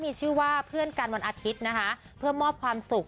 เดินสายร้องเพลง